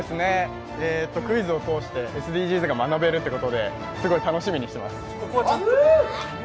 クイズを通して、ＳＤＧｓが学べるということで、すごい楽しみにしています。